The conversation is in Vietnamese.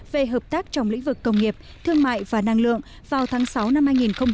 về hợp tác trong lĩnh vực công nghiệp thương mại và năng lượng vào tháng sáu năm hai nghìn hai mươi